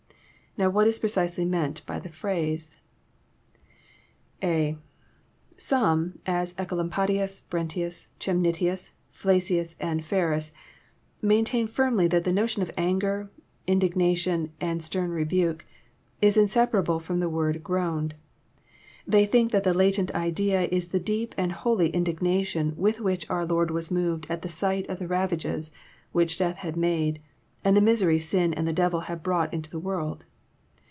Now what is precisely meant by the phrase ? (a) Some, as Ecolampadius, Brentius, Chemnitius, Flacius, and Ferns, maintain firmly that the notion of anger, indignation, and stern rebuke, is inseparable from the word *' groaned." They think that the latent idea is the deep and holy indignation with which our Lord was moved at the sight of the ravages which death had made, and the misery sin and the devil had brought into the world.